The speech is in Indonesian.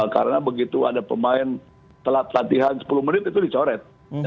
karena begitu ada pemain telat latihan sepuluh menit itu dicoret